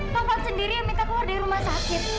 toko sendiri yang minta keluar dari rumah sakit